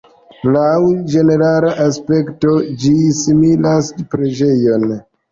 Laŭ ĝenerala aspekto ĝi similas preĝejon.